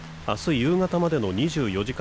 夕方までの２４時間